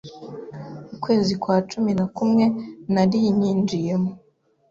ukwezi kwa cumi na kumwe narinyinjiyemo,